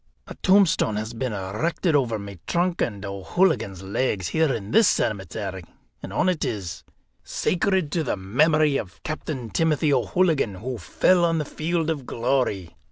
A tombstone has been erected over my trunk and O'Hooligan's legs, here in this cemetery, and on it is: 'Sacred to the Memory of Captain Timothy O'Hooligan, who fell on the field of Glory.